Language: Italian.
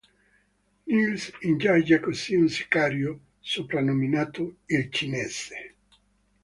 Nils ingaggia così un sicario, soprannominato il Cinese.